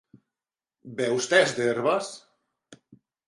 Beus tes d'herbes?